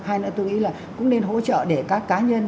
hai nữa tôi nghĩ là cũng nên hỗ trợ để các cá nhân